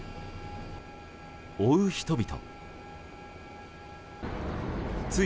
追う人々。